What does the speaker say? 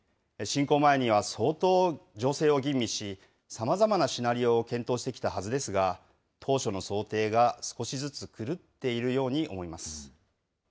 侵攻前には相当、情勢を吟味し、さまざまなシナリオを検討してきたはずですが、当初の想定が少しずつ狂っているように思います。